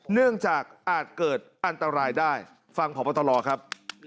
เนื่องจากอาจเกิดอันตรายได้ฟังพบตรครับ